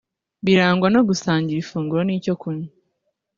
birangwa no gusangira ifunguro n’icyo kunywa